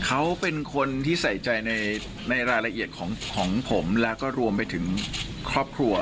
เขาเป็นคนที่ใส่ใจในรายละเอียดของผมแล้วก็รวมไปถึงครอบครัว